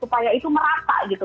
supaya itu merata gitu